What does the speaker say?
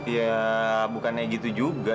ya bukannya gitu juga